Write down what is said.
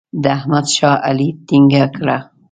د احمد شا علي ټینګه کړه.